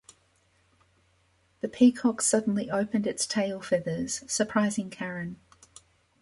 The peacock suddenly opened its tail feathers, surprising Karen.